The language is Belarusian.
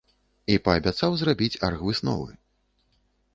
І паабяцаў зрабіць аргвысновы.